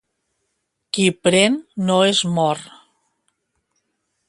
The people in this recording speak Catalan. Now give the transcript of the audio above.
Qui pren, no es mor.